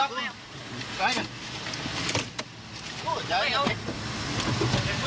มันมีบัคซ่าแล้ว